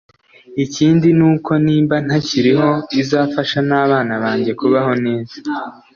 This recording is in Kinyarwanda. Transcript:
ikindi ni uko nimba ntakiriho izafasha n’abana banjye kubaho neza